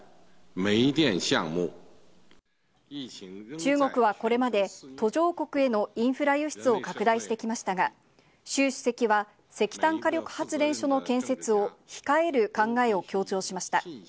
中国はこれまで、途上国へのインフラ輸出を拡大してきましたが、習主席は、石炭火力発電所の建設を控える考えを強調しました。